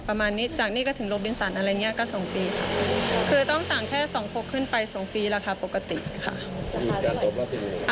ประมาณนี้จากนี้ก็ถึงโลบินสันอะไรอย่างเงี้ยก็ส่งฟรีค่ะคือต้องสั่งแค่สองพกขึ้นไปส่งฟรีราคาปกติค่ะ